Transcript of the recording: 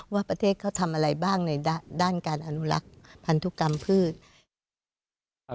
ว่าประเทศเขาทำอะไรบ้างในด้านการอนุรักษ์พันธุกรรมพืช